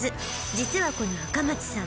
実はこの赤松さん